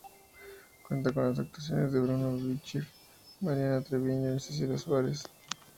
Cuenta con las actuaciones de Bruno Bichir, Mariana Treviño y Cecilia Suárez.